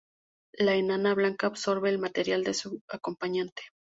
La enana blanca absorbe el material de su acompañante.